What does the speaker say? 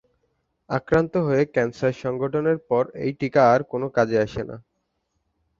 আক্রান্ত হয়ে ক্যান্সার সংঘটনের পর এই টিকা আর কোনো কাজে আসে না।